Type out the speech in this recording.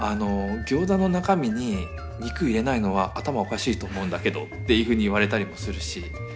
「ギョーザの中身に肉入れないのは頭おかしいと思うんだけど」っていうふうに言われたりもするし。